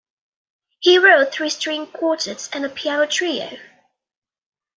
He wrote three string quartets and a piano trio.